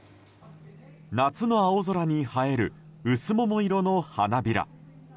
夏の青空に映える薄桃色の花びら。